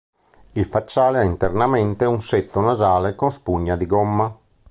Il facciale ha internamente un setto nasale con spugna di gomma.